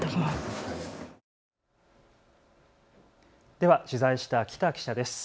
では取材した喜多記者です。